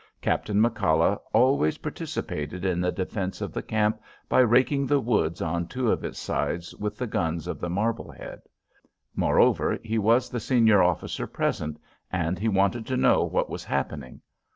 Captain McCalla always participated in the defence of the camp by raking the woods on two of its sides with the guns of the Marblehead. Moreover, he was the senior officer present, and he wanted to know what was happening.